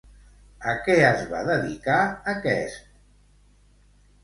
A què es va dedicar, aquest?